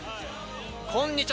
こんにちは。